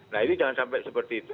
nah ini jangan sampai seperti itu